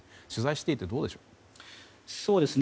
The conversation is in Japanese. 取材していて、どうでしょうか。